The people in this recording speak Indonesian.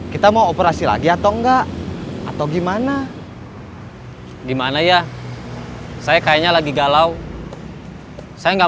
kita mau operasi lagi atau enggak atau gimana gimana ya saya kayaknya lagi galau saya enggak